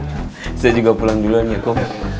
kom saya juga pulang dulu ya kom